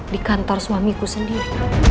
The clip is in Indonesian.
di kantor suamiku sendiri